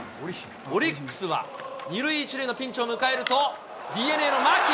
オリックスは２塁１塁のピンチを迎えると、ＤｅＮＡの牧。